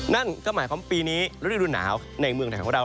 นั่นก็หมายความปีนี้ฤดูรุ่นหนาวในเมืองแถวของเรา